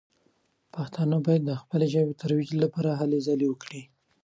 پښتانه باید د خپلې ژبې د ترویج لپاره هلې ځلې وکړي.